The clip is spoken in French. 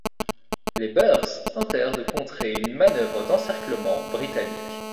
Les Boers tentèrent de contrer une manœuvre d'encerclement britannique.